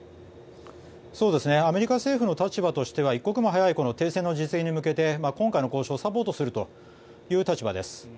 アメリカ政府の立場としては一刻も早い停戦の実現に向けて今回の交渉をサポートするという立場です。